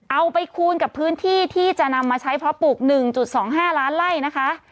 เอาไปคูณกับพื้นที่ที่จะนำมาใช้เพราะปลูก๑๒๕ล้านไล่นะคะ